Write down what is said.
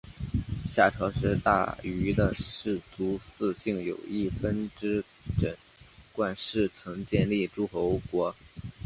夏朝时大禹的氏族姒姓有一分支斟灌氏曾建立诸侯国。